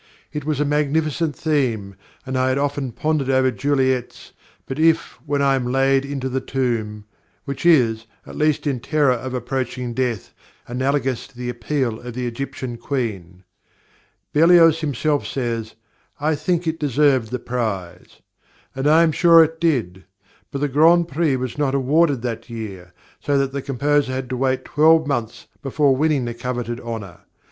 It was a magnificent theme, and I had often pondered over Juliet's 'But if, when I am laid into the tomb,' which is, at least in terror of approaching death, analogous to the appeal of the Egyptian Queen." Berlioz himself says: "I think it deserved the prize." And I am sure it did; but the Grand Prix was not awarded that year, so that the composer had to wait twelve months before winning the coveted honour.